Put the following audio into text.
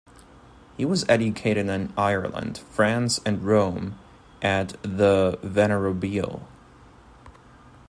He was educated in Ireland, France, and Rome at the Venerabile.